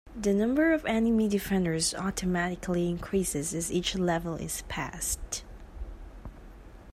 The number of enemy defenders automatically increases as each level is passed.